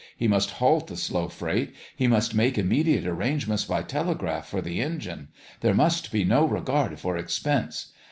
He must halt the slow freight ; he must make immediate arrangements by telegraph for the engine. There must be no regard for expense.